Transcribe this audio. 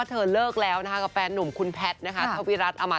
สปริกับราศณีการ